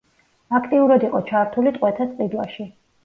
აქტიურად იყო ჩართული ტყვეთა სყიდვაში.